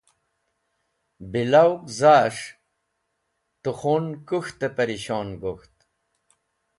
Bilawg zas̃h te khun kũk̃htẽ pẽrishon gok̃ht.